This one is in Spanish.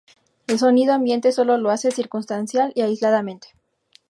El sonido ambiente sólo lo hace circunstancial y aisladamente.